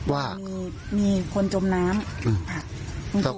ว่า